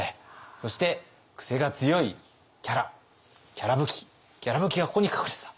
そしてクセが強いキャラキャラぶき「きゃらぶき」がここに隠れてた。